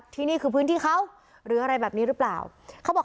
เล่นเสร็จปุ๊บผมก็กลับบ้าน